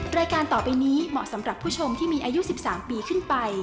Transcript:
รายการต่อไปนี้เหมาะสำหรับผู้ชมที่มีอายุ๑๓ปีขึ้นไป